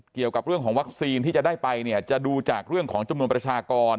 เกี่ยวกับเรื่องของวัคซีนที่จะได้ไปเนี่ยจะดูจากเรื่องของจำนวนประชากร